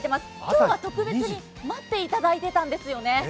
今日は特別に待っていただいてたんですよね。